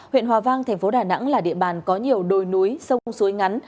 huyện hòa vang thành phố đà nẵng là địa bàn có nhiều đồi núi sông suối ngắn